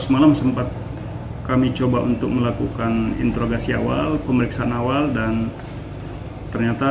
malam sempat kami coba untuk melakukan interogasi awal pemeriksaan awal dan ternyata